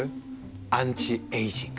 アンチエイジング。